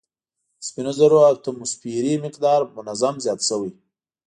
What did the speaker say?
د سپینو زرو اتوموسفیري مقدار منظم زیات شوی